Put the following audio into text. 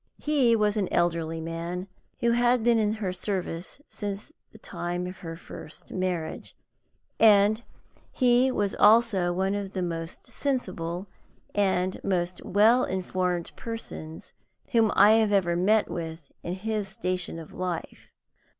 He was an elderly man, who had been in her service since the time of her first marriage, and he was also one of the most sensible and well informed persons whom I have ever met with in his station of life.